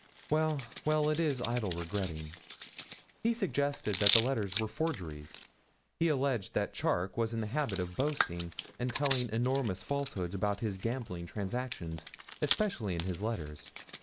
Well, well, it is idle regretting. He suggested that the letters were forgeries. He alleged that Charke was in the habit of boasting, and telling enormous falsehoods about his gambling transactions, especially in his letters.